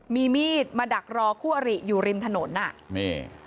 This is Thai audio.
มีมีดมาดักรอคู่อริอยู่ริมถนนอ่ะนี่